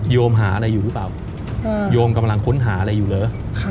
มหาอะไรอยู่หรือเปล่าโยมกำลังค้นหาอะไรอยู่เหรอ